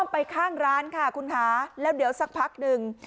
ไปข้างร้านค่ะคุณคะแล้วเดี๋ยวสักพักหนึ่ง